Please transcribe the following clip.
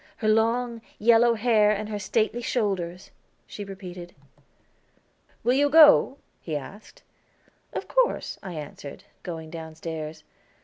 "Her long, yellow hair and her stately shoulders," she repeated. "Will you go?" he asked. "Of course," I answered, going downstairs.